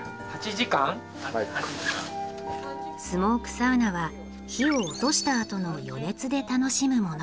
スモークサウナは火を落としたあとの余熱で楽しむもの。